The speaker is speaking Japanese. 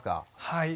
はい。